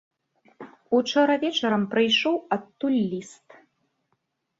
Учора вечарам прыйшоў адтуль ліст.